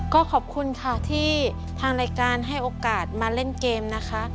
ก็ขอบคุณค่ะที่ทางรายการให้โอกาสมาเล่นเกมนะคะ